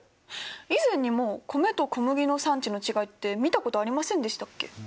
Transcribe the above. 以前にも米と小麦の産地の違いって見たことありませんでしたっけ？